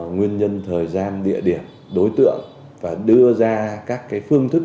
nguyên nhân thời gian địa điểm đối tượng và đưa ra các phương thức